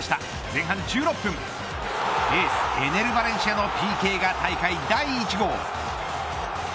前半１６分エースエネル・ヴァレンシアのＰＫが大会第１号。